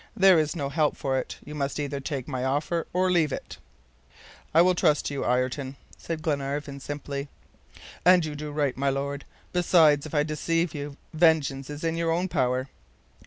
There is no help for it, you must either take my offer or leave it." "I will trust to you, Ayrton," said Glenarvan, simply. "And you do right, my Lord. Besides, if I deceive you, vengeance is in your own power."